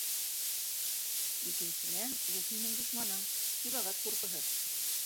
Икенсенән, ул һинең дошманың - Сибәғәт ҡурпыһы.